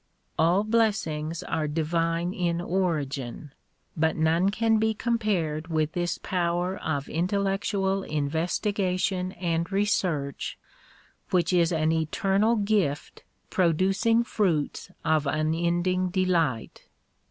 All blessings are divine in origin but none can be compared with this power of intellectual investigation and research which is an eternal gift producing finiits of unending delight.